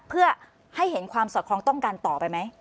เพื่อให้เห็นความสอดคล้องต้องกันต่อไปไหม